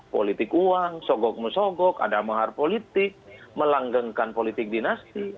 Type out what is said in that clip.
politik uang sogok musogok ada mahar politik melanggengkan politik dinasti